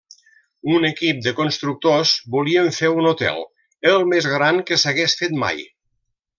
Un equip de constructors volien fer un hotel: el més gran que s'hagués fet mai.